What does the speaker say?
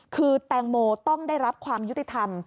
คือแตงโมต้องได้รับความยุติธรรม